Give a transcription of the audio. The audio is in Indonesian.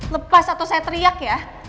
lepas atau saya teriak ya